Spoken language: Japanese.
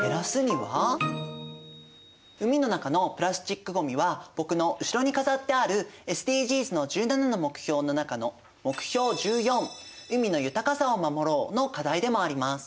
海の中のプラスチックごみは僕の後ろに飾ってあるＳＤＧｓの１７の目標の中の目標１４「海の豊かさを守ろう」の課題でもあります。